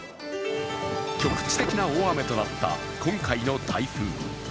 局地的な大雨となった今回の台風。